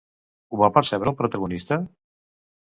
Ho va percebre el protagonista?